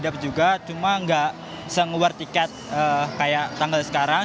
nge word juga cuma gak bisa nge word tiket kayak tanggal sekarang